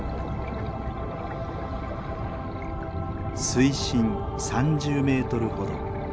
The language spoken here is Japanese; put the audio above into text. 水深３０メートルほど。